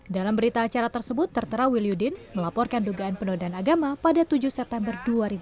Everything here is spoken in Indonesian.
dalam berita acara tersebut tertera wilyudin melaporkan dugaan penodaan agama pada tujuh september dua ribu enam belas